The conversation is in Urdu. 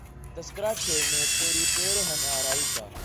تذکرہ چھیڑے تری پیرہن آرائی کا